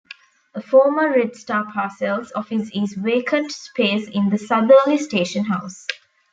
A former Red Star Parcels office is vacant space in the southerly station house.